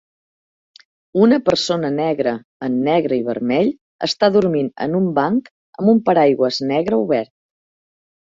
Una persona negra en negre i vermell està dormint en un banc amb un paraigües negre obert